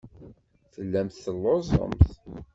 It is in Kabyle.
Tellamt telluẓemt.